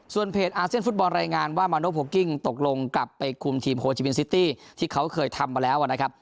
เพจอาเซียนฟุตบอลรายงานว่ามาโนโพลกิ้งตกลงกลับไปคุมทีมโฮจิมินซิตี้ที่เขาเคยทำมาแล้วนะครับ